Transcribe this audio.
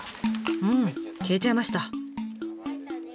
うん消えちゃいました。